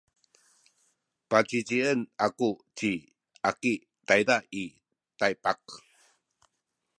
pacicien aku ci Aki tayza i Taypak.